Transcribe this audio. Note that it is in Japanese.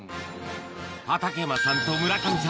畠山さんと村上さん